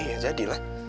iya jadi lah